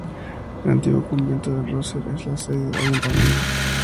El antiguo convento del Roser es la sede del ayuntamiento.